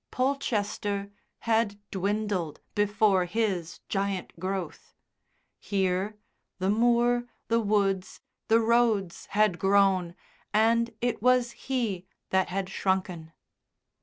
Polchester had dwindled before his giant growth. Here the moor, the woods, the roads had grown, and it was he that had shrunken.